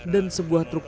dan sebuah trukun